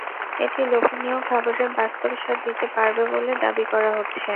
এটি লোভনীয় খাবারের বাস্তব স্বাদ দিতে পারবে বলে দাবি করা হচ্ছে।